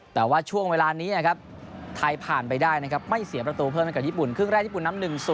แต่ว่าช่วงเวลานี้ไทยผ่านไปได้ไม่เสียประตูเพิ่มด้วยกับญี่ปุ่น